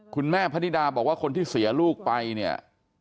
คุณแม่พนิดาบอกว่าคนที่เสียลูกไปเนี่ย